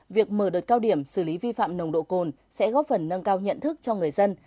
việc mở đợt cao điểm xử lý vi phạm nồng độ cồn sẽ góp phần nâng cao nhận thức cho người dân